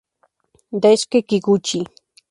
Daisuke Kikuchi